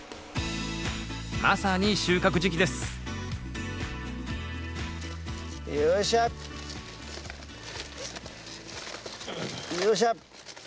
まさに収穫時期ですよいしょよいしょ！